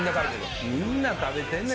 みんな食べてるわ